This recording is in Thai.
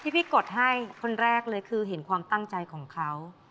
พี่กดให้คนแรกเลยคือเห็นความตั้งใจของเขา